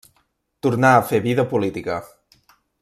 Tornà a fer vida política.